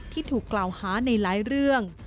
ที่ถูกกล่าวหาในหลายเรื่อง